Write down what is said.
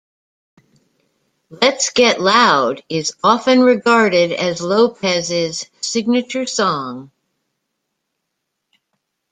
"Let's Get Loud" is often regarded as Lopez's signature song.